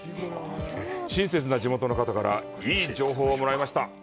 親切な地元の方からいい情報をもらいました。